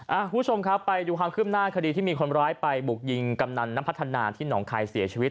คุณผู้ชมครับไปดูความขึ้นหน้าคดีที่มีคนร้ายไปบุกยิงกำนันน้ำพัฒนาที่หนองคายเสียชีวิต